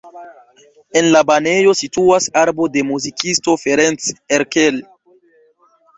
En la banejo situas arbo de muzikisto Ferenc Erkel.